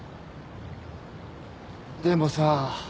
でもさ。